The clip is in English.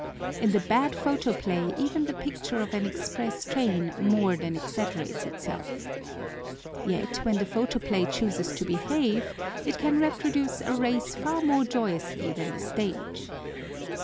In the bad photoplay even the picture of an express train more than exaggerates itself. Yet when the photoplay chooses to behave it can reproduce a race far more joyously than the stage.